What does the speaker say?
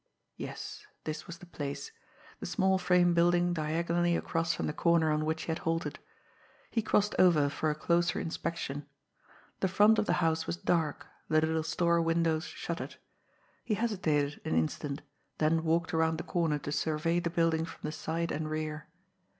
Yes, this was the place the small frame building diagonally across from the corner on which he had halted. He crossed over for a closer inspection. The front of the house was dark, the little store windows shuttered. He hesitated an instant, then walked around the corner to survey the building from the side and rear.